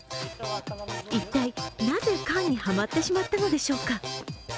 一体なぜ缶にはまってしまったのでしょうか。